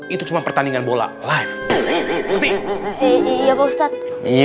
itu cuma pertandingan bola live